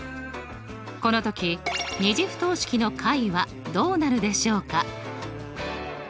この時２次不等式の解はどうなるでしょうか？